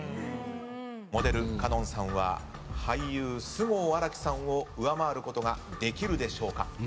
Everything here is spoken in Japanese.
モデル香音さんは俳優菅生新樹さんを上回ることができるでしょうか。